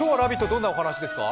どんなお話ですか？